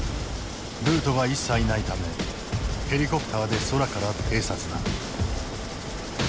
ルートが一切ないためヘリコプターで空から偵察だ。